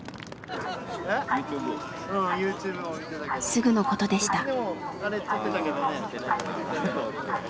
すぐのことでした。